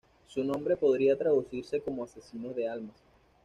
Su nombre podría traducirse como Asesinos de almas.